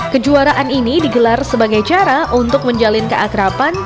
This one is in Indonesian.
kejuaraan ini digelar sebagai cara untuk menjalin keakrapan